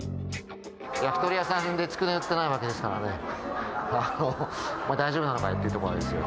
焼き鳥屋さんで、つくね売ってないわけですからね、お前、大丈夫なのか？っていうところですよ。